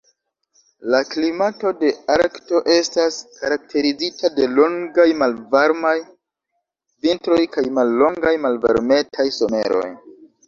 La klimato de Arkto estas karakterizita de longaj, malvarmaj vintroj kaj mallongaj, malvarmetaj someroj.